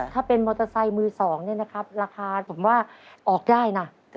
ถ้าเป็นมอเตอร์ไซค์มือสองเนี่ยนะครับราคาผมว่าออกได้นะ